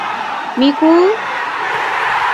Мику-у!